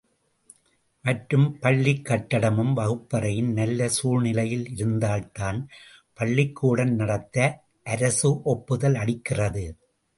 மற்றும், பள்ளிக் கட்டடமும், வகுப்பறையும் நல்ல குழ்நிலையில் இருந்தால்தான், பளளிக்கூடம் நடத்த அரசு ஒப்புதல் அளிக்கிறது.